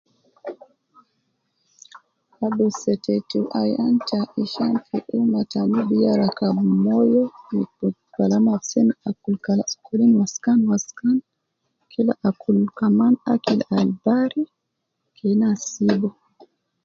Abidu setetu ayan te izhal fi umma ta nubi ya rakab moyo fi kalam ab seme fi ka sokolin waskan waskan kila akul kaman akil al bari kena sibu